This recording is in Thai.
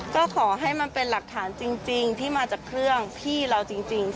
ก็ขอให้มันเป็นหลักฐานจริงที่มาจากเครื่องพี่เราจริง